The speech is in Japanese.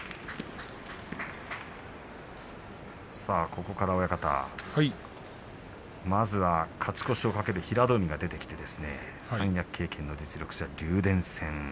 ここから親方まずは勝ち越しをかける平戸海が出てきて三役経験の実力者、竜電戦。